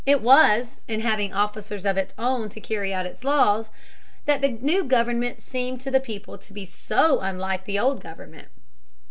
It was in having officers of its own to carry out its laws, that the new government seemed to the people to be so unlike the old government.